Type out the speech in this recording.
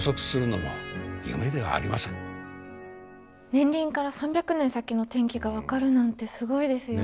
年輪から３００年先の天気が分かるなんてすごいですよね。